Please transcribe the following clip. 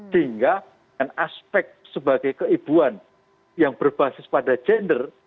sehingga dengan aspek sebagai keibuan yang berbasis pada gender